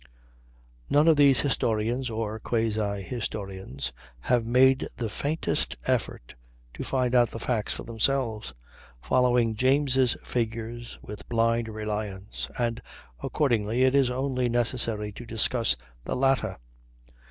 None of these historians, or quasi historians, have made the faintest effort to find out the facts for themselves, following James' figures with blind reliance, and accordingly it is only necessary to discuss the latter.